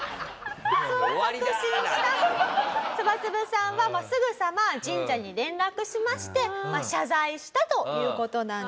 そう確信したそばつぶさんはすぐさま神社に連絡しまして謝罪したという事なんでございます。